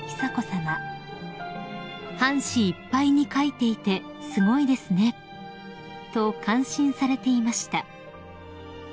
［「半紙いっぱいに書いていてすごいですね」と感心されていました］